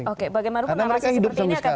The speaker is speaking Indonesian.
oke bagaimana mereka hidup sampai sekarang